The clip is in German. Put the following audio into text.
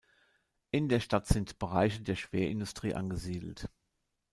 In der Stadt sind Bereiche der Schwerindustrie angesiedelt.